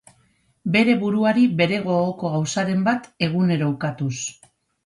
Bere buruari bere gogoko gauzaren bat egunero ukatuz.